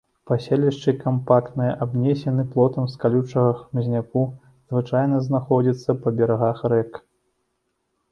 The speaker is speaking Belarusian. Паселішчы кампактныя, абнесены плотам з калючага хмызняку, звычайна знаходзяцца па берагах рэк.